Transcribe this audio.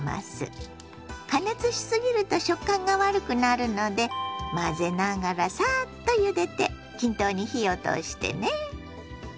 加熱しすぎると食感が悪くなるので混ぜながらサーッとゆでて均等に火を通してね。